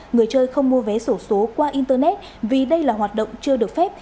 người chơi không mua vé sổ số qua internet vì đây là hoạt động chưa được phép